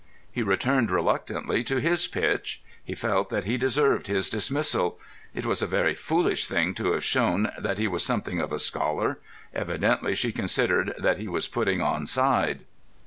He returned reluctantly to his pitch. He felt that he deserved his dismissal. It was a very foolish thing to have shown that he was something of a scholar. Evidently she considered that he was putting on side.